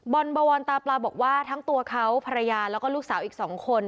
บอลเบอร์วอนตาปลาบอกว่าทั้งตัวเขาภรรยาแล้วก็ลูกสาวอีกสองคน